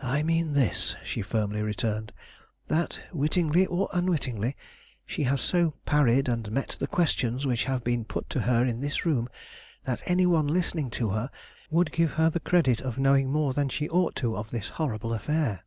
"I mean this," she firmly returned: "that, wittingly or unwittingly, she has so parried and met the questions which have been put to her in this room that any one listening to her would give her the credit of knowing more than she ought to of this horrible affair.